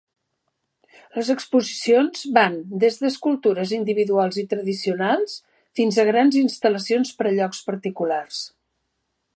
Les exposicions van des d'escultures individuals i tradicionals fins a grans instal·lacions per a llocs particulars.